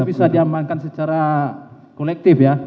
bisa diamankan secara kolektif ya